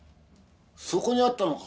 そこにあったのか。